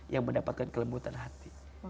yang mendapatkan kelembutan hati